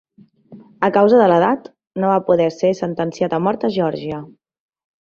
A causa de l'edat, no va poder ser sentenciat a mort a Geòrgia.